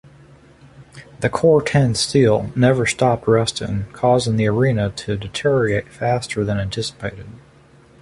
The Cor-Ten steel never stopped rusting, causing the arena to deteriorate faster than anticipated.